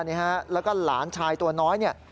แล้วก็หลานชายตัวน้อยเนี่ย